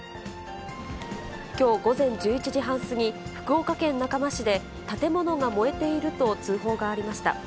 きょう午前１１時半過ぎ、福岡県中間市で、建物が燃えていると通報がありました。